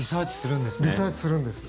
リサーチするんです。